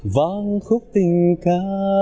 vang khúc tình ca